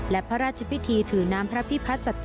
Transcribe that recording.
และพระราชพิธีถือน้ำพระพิพัฒน์สัตว